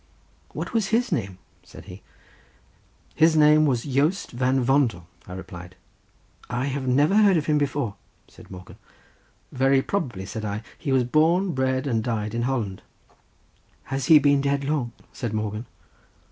"What was his name?" said he. "His name was Joost Van Vondel," I replied. "I never heard of him before," said Morgan. "Very probably," said I; "he was born, bred, and died in Holland." "Has he been dead long?" said Morgan.